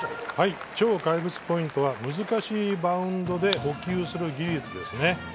超怪物ポイントは難しいバウンドで捕球する技術ですね。